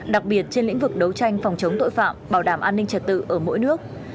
đặc biệt trên lĩnh vực đấu tranh phòng chống tội phạm bảo đảm an ninh trật tự ở mỗi nước